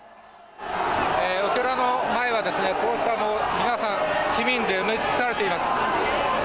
お寺の前はですね、こうした皆さん、市民で埋め尽くされています。